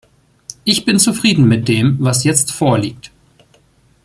Ich bin zufrieden mit dem, was jetzt vorliegt.